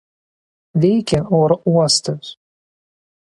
Veikia oro uostas.